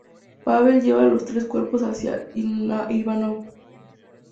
Pavel lleva los tres cuerpos hacia Ivanov.